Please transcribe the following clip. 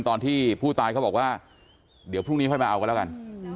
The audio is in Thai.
ตอนที่ผู้ตายเขาบอกว่าเดี๋ยวพรุ่งนี้ค่อยมาเอากันแล้วกัน